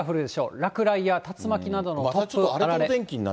落雷や竜巻などの突風、あられ。